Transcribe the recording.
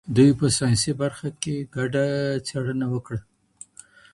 دوی په ساینسي برخه کي ګډه څېړنه وکړه.